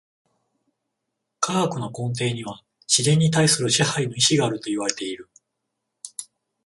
科学の根底には自然に対する支配の意志があるといわれている。